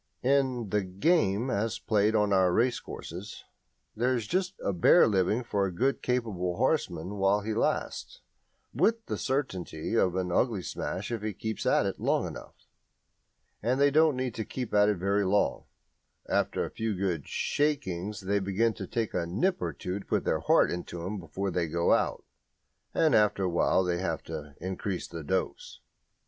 In "the game" as played on our racecourses there is just a bare living for a good capable horseman while he lasts, with the certainty of an ugly smash if he keeps at it long enough. And they don't need to keep at it very long. After a few good "shakings" they begin to take a nip or two to put heart into them before they go out, and after a while they have to increase the dose.